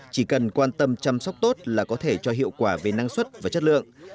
chỉ cần quan tâm chăm sóc tốt là có thể cho hiệu quả về năng suất và chất lượng